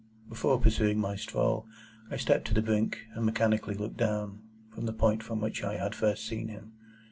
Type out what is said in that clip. Before pursuing my stroll, I stepped to the brink, and mechanically looked down, from the point from which I had first seen him.